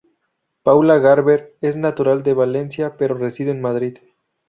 Paula Garber es natural de Valencia, pero reside en Madrid.